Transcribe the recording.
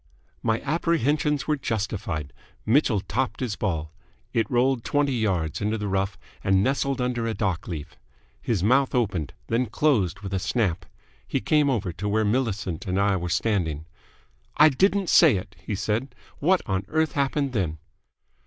My apprehensions were justified. Mitchell topped his ball. It rolled twenty yards into the rough, and nestled under a dock leaf. His mouth opened, then closed with a snap. He came over to where Millicent and I were standing. "I didn't say it!" he said. "What on earth happened then?"